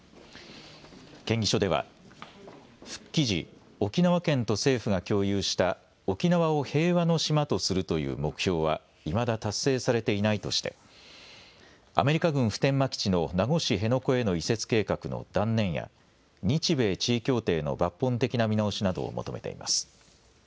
建議書では復帰時、沖縄県と政府が共有した沖縄を平和の島とするという目標はいまだ達成されていないとしてアメリカ軍普天間基地の名護市辺野古への移設計画の断念や日米地位協定の抜本的な見直しなどを求めています。